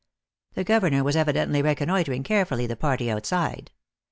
The governor was evidently reconnoitering carefully the party outside.